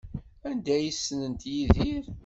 Anda ay ssnent Yidir?